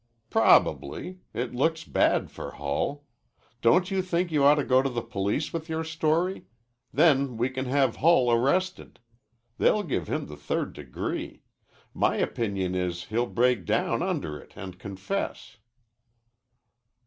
"Probably. It looks bad for Hull. Don't you think you ought to go to the police with your story? Then we can have Hull arrested. They'll give him the third degree. My opinion is he'll break down under it and confess."